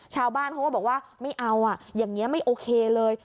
ชาวบ้านเขาก็บอกว่าไม่เอาอ่ะอย่างนี้ไม่โอเคเลย